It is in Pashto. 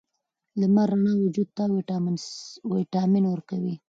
د لمر رڼا وجود ته ویټامین ورکوي.